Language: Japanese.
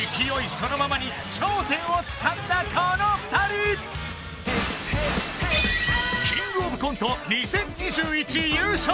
そのままに頂点をつかんだこの２人キングオブコント２０２１優勝